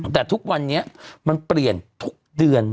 แต่ทุกวันนี้มันเปลี่ยนทุกเดือน